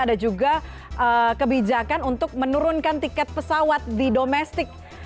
ada juga kebijakan untuk menurunkan tiket pesawat di domestik